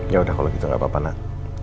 ya udah kalau gitu nggak apa apa nak